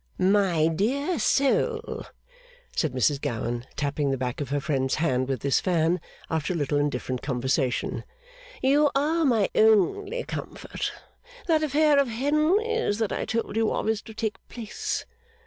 'My dear soul,' said Mrs Gowan, tapping the back of her friend's hand with this fan after a little indifferent conversation, 'you are my only comfort. That affair of Henry's that I told you of, is to take place.